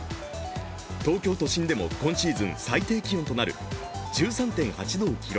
東京都心でも今シーズン最低となる１３．８度を記録。